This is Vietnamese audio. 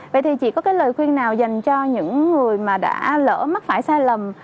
vậy thì chỉ có cái lời khuyên nào dành cho những người mà đã lỡ mắc phải sai lầm